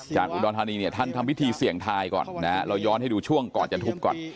จากอุดรธานีเนี่ยท่านทำพิธีเสี่ยงทายก่อนนะฮะเราย้อนให้ดูช่วงก่อนจะทุบก่อน